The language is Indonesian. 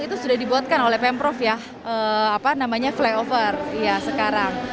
itu sudah dibuatkan oleh pemprov ya apa namanya flyover sekarang